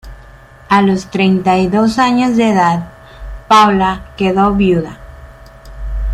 A los treinta y dos años de edad, Paula quedó viuda.